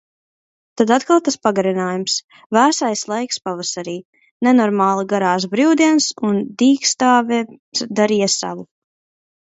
Tad atkal tas pagarinājums. Vēsais laiks pavasarī. Nenormāli garās brīvdienas un dīkstāve darīja savu.